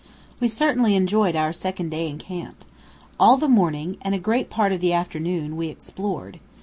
We certainly enjoyed our second day in camp. All the morning, and a great part of the afternoon, we "explored."